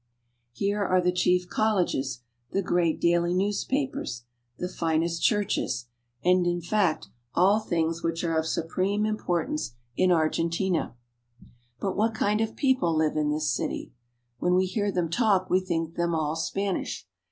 Here are the chief col leges, the great daily newspapers, the finest churches. 94 ARGENTINA. and, in fact, all things which are of supreme importance in Argentina. But what kind of people live in this city ? When we hear them talk we think them all Spanish.